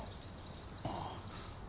ああ。